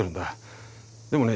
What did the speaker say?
でもね